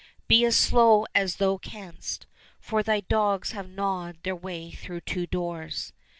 Be as slow as thou canst, for thy dogs have gnawed their way through two doors."